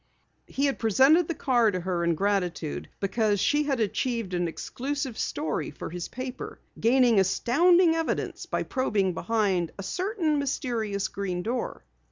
He had presented the car to her in gratitude because she had achieved an exclusive story for his paper, gaining astounding evidence by probing behind a certain mysterious Green Door.